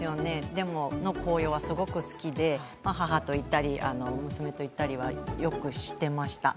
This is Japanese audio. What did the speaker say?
でもそこの紅葉はすごく好きで母と行ったり、娘と行ったりはよくしてました。